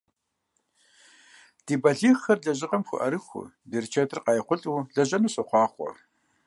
Ди балигъхэр лэжьыгъэм хуэӀэрыхуэу, берычэтыр къайхъулӀэу лэжьэну сохъуахъуэ!